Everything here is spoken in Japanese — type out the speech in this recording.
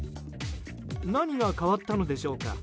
何が変わったのでしょうか。